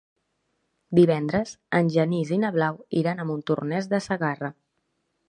Divendres en Genís i na Blau iran a Montornès de Segarra.